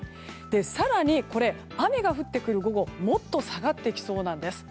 更に、雨が降ってくる午後もっと下がってきそうなんです。